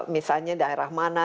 misalnya daerah mana